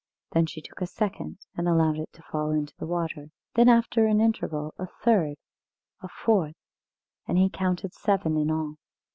Then she took a second, and allowed it to fall into the water. Then, after an interval, a third a fourth; and he counted seven in all.